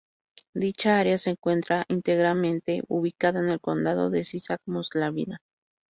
Dicha área se encuentra íntegramente ubicada en el Condado de Sisak-Moslavina.